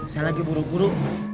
saya lagi buru buru